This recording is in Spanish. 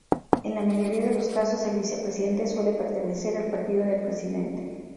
En la mayoría de los casos el vicepresidente suele pertenecer al partido del presidente.